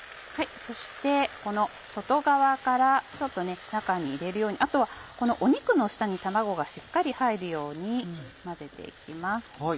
そしてこの外側からちょっと中に入れるようにあとはこの肉の下に卵がしっかり入るように混ぜて行きます。